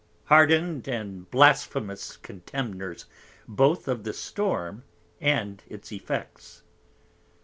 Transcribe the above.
Hardned and blasphemous Contemners both of the Storm and its Effects.